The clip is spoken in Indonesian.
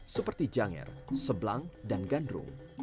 seperti janger sebelang dan gandrung